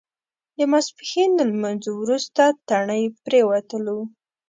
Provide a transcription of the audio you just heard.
د ماسپښین لمونځ وروسته تڼۍ پرېوتلو.